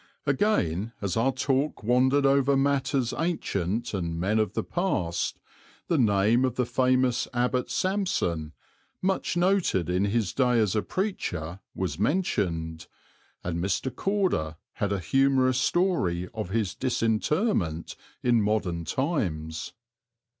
Again, as our talk wandered over matters ancient and men of the past, the name of the famous Abbot Sampson, much noted in his day as a preacher, was mentioned, and Mr. Corder had a humorous story of his disinterment in modern times.